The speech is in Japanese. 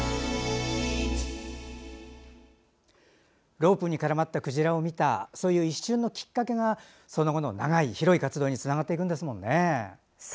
ロープに絡まったクジラを見た一瞬のきっかけがその後の長い広い活動につながっていくんですね。